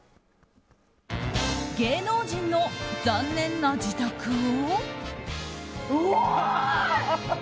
芸能人の残念な自宅を。